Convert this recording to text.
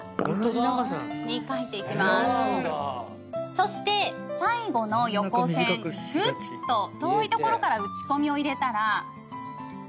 そして最後の横線ぐっと遠い所からうちこみを入れたら。